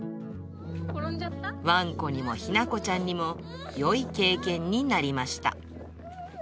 ワンコにも日向子ちゃんにも、よい経験になりました。